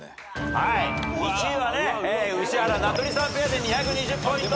１位は宇治原名取さんペアで２２０ポイント。